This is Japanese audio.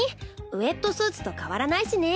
ウエットスーツと変わらないしね。